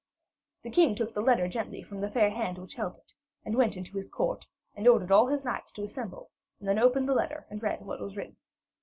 The king took the letter gently from the fair hand which held it, and went into his court, and ordered all his knights to assemble, and then opened the letter and read what was written.